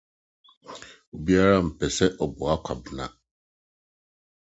Obiara mpɛ sɛ ɔboa Kwabena.